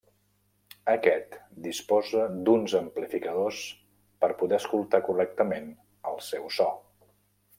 Aquest disposa d'uns amplificadors per poder escoltar correctament el seu so.